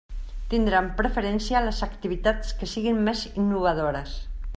Tindran preferència les activitats que siguen més innovadores.